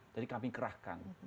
jadi kami kerahkan